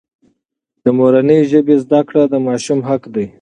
د مورنۍ ژبې زده کړه د ماشوم حق دی.